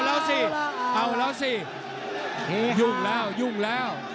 เมื่อกำลังจำช๘๕๔๒ชะลั่นบุ่นไบ